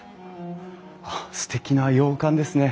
あっすてきな洋館ですね。